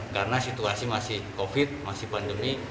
karena situasi masih covid masih pandemi